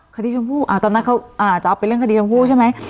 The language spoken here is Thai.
คดีชมพูอ่าตอนนั้นเขาอ่าจะเอาไปเรื่องคดีชมพูใช่ไหม